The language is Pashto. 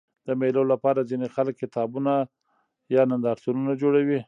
د مېلو له پاره ځيني خلک کتابتونونه یا نندارتونونه جوړوي.